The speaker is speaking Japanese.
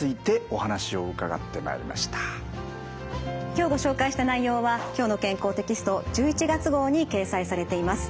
今日ご紹介した内容は「きょうの健康」テキスト１１月号に掲載されています。